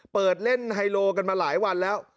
เปิดเล่นไฮโลกันมาหลายวันแล้ว